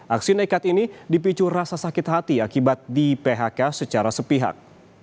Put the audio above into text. aksi nekat ini dipicu rasa sakit hati akibat di phk secara sepihak